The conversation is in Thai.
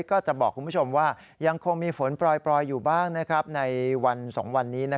ก็จะบอกคุณผู้ชมว่ายังคงมีฝนปล่อยอยู่บ้างในวัน๒วันนี้